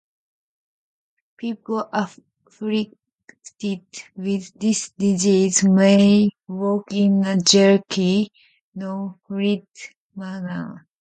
People afflicted with this disease may walk in a jerky, non-fluid manner.